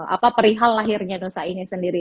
apa perihal lahirnya nusa ini sendiri